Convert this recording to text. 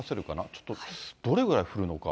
ちょっと、どれぐらい降るのか。